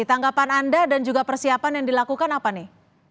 tanggapan anda dan juga persiapan yang dilakukan apa nih